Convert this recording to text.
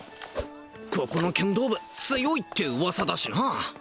ここの剣道部強いって噂だしな